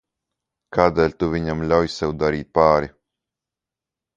Kādēļ tu viņam ļauj sev darīt pāri?